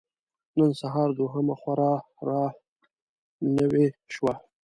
نن سهار دوهمه خور را نوې شوه.